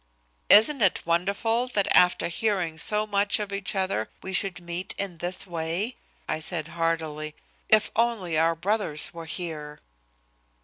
"Isn't it wonderful that after hearing so much of each other we should meet in this way?" I said heartily. "If only our brothers were here."